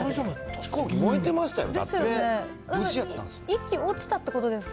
飛行機燃えてましたよね。